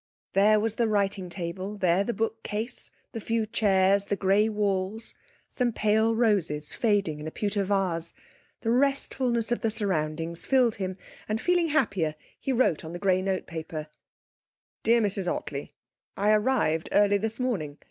There was the writing table, there the bookcase, the few chairs, the grey walls; some pale roses fading in a pewter vase.... The restfulness of the surroundings filled him, and feeling happier he wrote on the grey notepaper: 'DEAR MRS OTTLEY, I arrived early this morning.